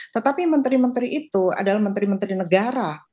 tetapi menteri menteri itu adalah menteri menteri negara